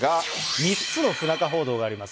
３つの不仲報道があります。